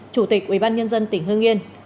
chủ tịch ủy ban nhân dân tỉnh hương yên